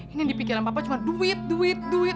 ini dipikiran papa cuma duit duit duit